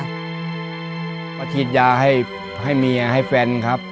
มาฉีดยาให้เมียให้แฟนครับ